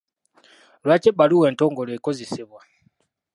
Lwaki ebbaluwa entongole ekozesebwa?